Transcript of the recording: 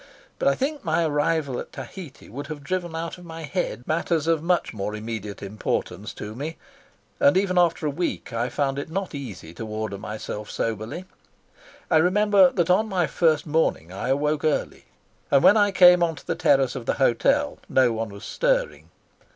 But I think my arrival at Tahiti would have driven out of my head matters of much more immediate importance to me, and even after a week I found it not easy to order myself soberly. I remember that on my first morning I awoke early, and when I came on to the terrace of the hotel no one was stirring.